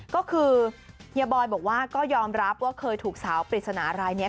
ก็คือเฮียบอยบอกว่าก็ยอมรับว่าเคยถูกสาวปริศนารายนี้